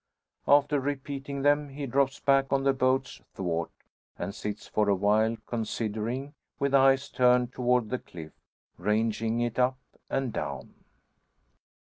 After repeating them, he drops back on the boat's thwart, and sits for a while considering, with eyes turned toward the cliff, ranging it up and down.